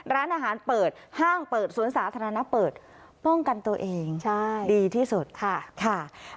ร้านอาหารเปิดห้างเปิดสวนสาธารณะเปิดป้องกันตัวเองดีที่สุดค่ะ